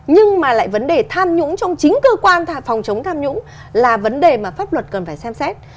nhưng mà lại vấn đề tham nhũng trong chính cơ quan phòng chống tham nhũng là vấn đề mà pháp luật cần phải xem xét